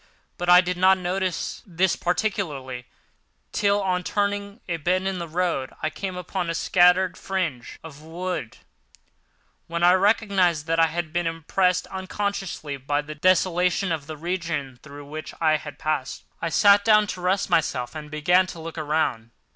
But I did not notice this particularly till, on turning a bend in the road, I came upon a scattered fringe of wood; then I recognised that I had been impressed unconsciously by the desolation of the region through which I had passed. I sat down to rest myself, and began to look around.